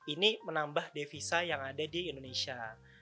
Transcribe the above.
ini menambah devisa yang ada di indonesia